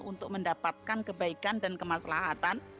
untuk mendapatkan kebaikan dan kemaslahatan